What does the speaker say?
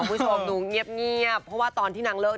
คุณผู้ชมดูเงียบเพราะว่าตอนที่นางเลิก